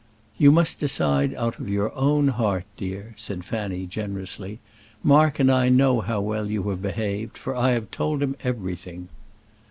"You must decide out of your own heart, dear," said Fanny, generously. "Mark and I know how well you have behaved, for I have told him everything."